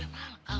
eh udah mal